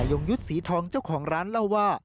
ในยงยุทธ์สีทองเจ้าของร้านลาวา